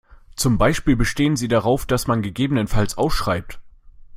Zum Beispiel bestehen sie darauf, dass man gegebenenfalls ausschreibt.